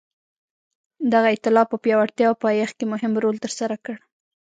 دغه ایتلاف په پیاوړتیا او پایښت کې مهم رول ترسره کړ.